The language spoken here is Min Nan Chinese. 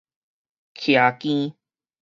徛更